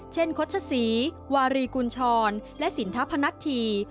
เช่นคดชศรีวารีกุญชรและสินทภพนัทธี